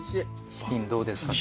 ・チキンどうですか？